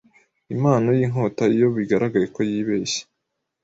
impano yinkota iyo bigaragaye ko yibeshye